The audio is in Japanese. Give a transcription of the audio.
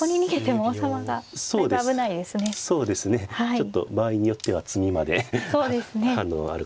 ちょっと場合によっては詰みまであるかもしれません。